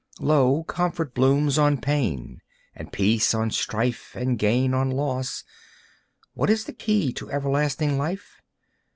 Lo, comfort blooms on pain, and peace on strife, And gain on loss. What is the key to Everlasting Life?